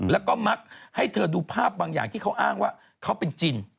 แล้วก็มักให้เธอดูภาพบางอย่างที่เขาอ้างว่าเขาเป็นจริง